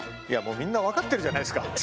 いやもうみんな分かってるじゃないですか。